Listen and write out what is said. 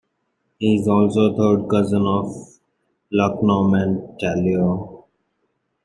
He is also a third cousin of Luc-Normand Tellier.